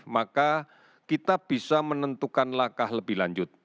maka kita bisa menentukan langkah lebih lanjut